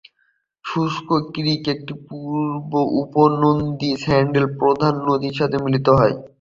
শুষ্ক ক্রিক, একটি পূর্ব উপনদী, স্যান্ডির প্রধান নদীর সাথে মিলিত হয়।